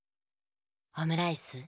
オムライス？